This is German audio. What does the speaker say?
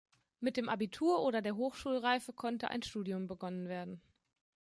Mit dem Abitur oder der Hochschulreife konnte ein Studium begonnen werden.